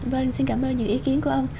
vâng xin cảm ơn những ý kiến của ông